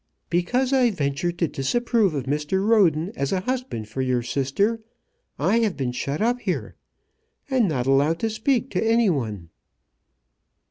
"Because I ventured to disapprove of Mr. Roden as a husband for your sister I have been shut up here, and not allowed to speak to any one."